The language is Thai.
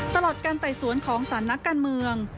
ตลอดการไต่สวนของสารนักการเมือง